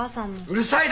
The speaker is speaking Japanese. うるさい！